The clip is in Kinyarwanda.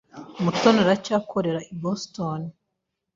Mutoni aracyakorera i Boston?